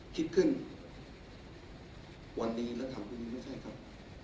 คิดขึ้นวันนี้และทำพรุ่งนี้ก็ใช่ครับ